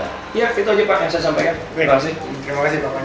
ya itu aja pak yang saya sampaikan